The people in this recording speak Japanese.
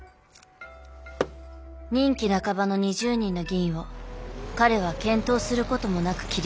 任期半ばの２０人の議員を彼は検討することもなく切り捨てた。